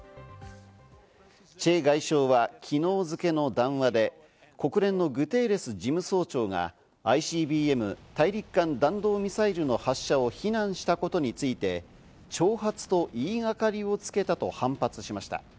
チェ外相は昨日付けの談話で、国連のグテーレス事務総長がＩＣＢＭ＝大陸間弾道ミサイルの発射を非難したことについて、挑発と言いがかりをつけたと反発しました。